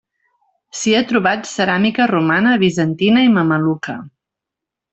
S'hi ha trobat ceràmica romana, bizantina i mameluca.